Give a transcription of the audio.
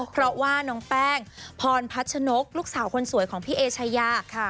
เพราะว่าน้องแป้งพรพัชนกลูกสาวคนสวยของพี่เอชายาค่ะ